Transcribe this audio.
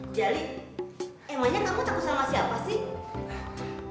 jali emangnya kamu takut sama siapa sih